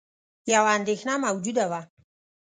یوه اندېښنه موجوده وه